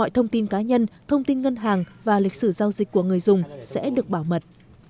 thông tin cá nhân thông tin ngân hàng và lịch sử giao dịch của người dùng sẽ được bảo mật